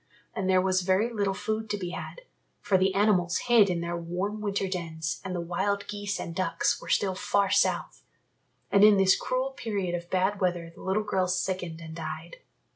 And there was very little food to be had, for the animals hid in their warm winter dens and the wild geese and ducks were still far south. And in this cruel period of bad weather the little girl sickened and died.